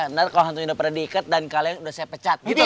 benar kalau hantunya udah pernah diikat dan kalian udah saya pecat gitu